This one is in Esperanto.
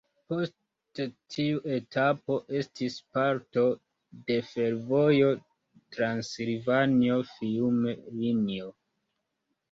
Poste tiu etapo estis parto de fervojo Transilvanio-Fiume linio.